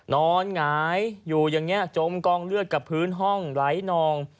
หงายอยู่อย่างนี้จมกองเลือดกับพื้นห้องไหลนอง